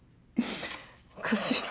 おかしいな。